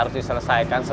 nuduh aku kayak gitu